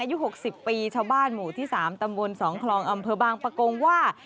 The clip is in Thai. อายุ๖๐ปีชาวบ้านหมู่ที่๓ตำบล๒คลองอำเภอบางปะโกงว่า